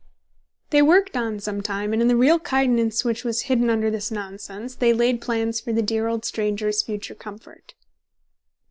They worked on some time, and in the real kindness which was hidden under this nonsense they laid plans for the dear old stranger's future comfort.